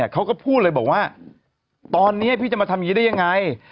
เขาก็พูดเลยบอกว่าตอนนี้พี่จะมาทำอย่างนี้ได้ยังไง